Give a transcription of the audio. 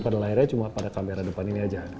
pada lahirnya cuma pada kamera depan ini aja